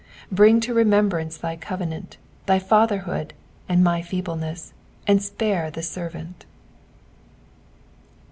Bring to remembrance thy covenant, thy fatherhood, and my feelileaesa, and spare the servant.